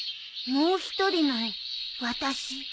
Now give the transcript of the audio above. もう一人の私？